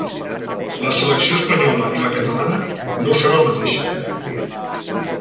La selecció espanyola i la catalana no són el mateix.